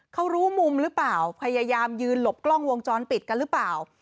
เขารู้มุมหรือเปล่าพยายามยืนหลบกล้องวงจรปิดกันหรือเปล่า